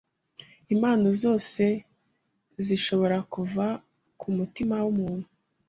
impano zose zishobora kuva kumutima wumuntu